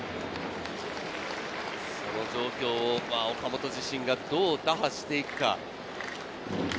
その状況を岡本自身がどう打破していくか。